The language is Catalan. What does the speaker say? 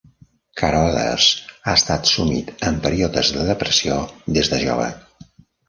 Carothers ha estat sumit en períodes de depressió des de jove.